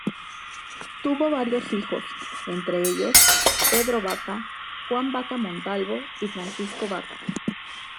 Tuvo varios hijos, entre ellos Pedro Vaca, Juan Vaca Montalvo y Francisco Vaca.